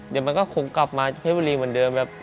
เดี๋ยวมันก็คงกลับมาเป็นเหมือนเดิม